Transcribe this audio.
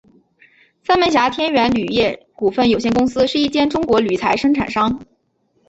三门峡天元铝业股份有限公司是一间中国铝材生产商。